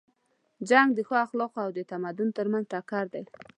جنګ د ښو اخلاقو او د تمدن تر منځ ټکر دی.